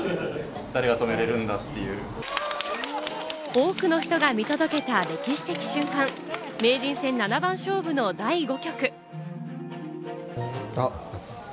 多くの人が見届けた歴史的瞬間、名人戦七番勝負の第５局。